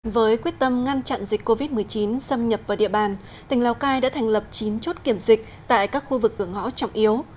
với quyết tâm ngăn chặn dịch covid một mươi chín xâm nhập vào địa bàn tỉnh lào cai đã thành lập chín chốt kiểm dịch tại các khu vực cửa ngõ trọng yếu